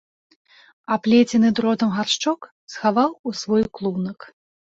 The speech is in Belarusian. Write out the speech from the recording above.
Аплецены дротам гаршчок схаваў у свой клунак.